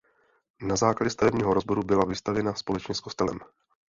Na základě stavebního rozboru byla vystavěna společně s kostelem.